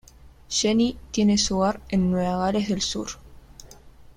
Jennie tiene su hogar en Nueva Gales del Sur..